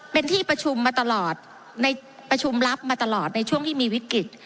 เป็นที่ประชุมมาตลอดในประชุมรับมาตลอดในช่วงที่มีวิกฤต